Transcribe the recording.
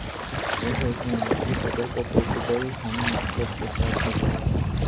white House میں امریکی صدر کا پرتگالین ہم منصب کے ساتھ مذاق